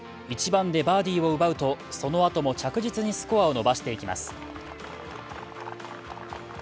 １番でバーディーを奪うとそのあとも着実にスコアを伸ばしていきます。